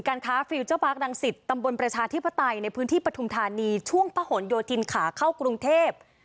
ค้าฟิลเจอร์ปาร์ครังสิตตำบลประชาธิปไตยในพื้นที่ปฐุมธานีช่วงพะหนโยธินขาเข้ากรุงเทพ